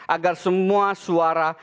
agar semua suara